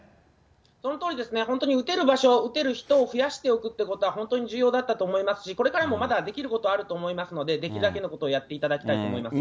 そのとおりですね、本当に打てる場所、打てる人を増やしておくっていうことは、本当に重要だったと思いますし、これからもまだできることあると思いますので、できるだけのことをやっていただきたいと思いますね。